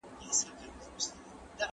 هر انسان د خپلي لاري ټاکلو حق لري.